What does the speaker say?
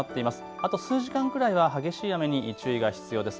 あと数時間くらいは激しい雨に注意が必要です。